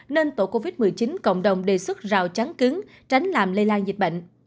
nên tổ covid một mươi chín cộng đồng đề xuất rào chắn cứng tránh làm lây lan dịch bệnh